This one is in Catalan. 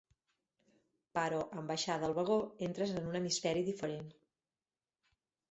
Però en baixar del vagó entres en un hemisferi diferent.